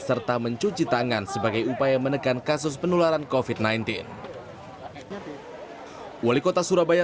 serta mencuci tangan sebagai upaya menekan kasus penularan kofit sembilan belas wali kota surabaya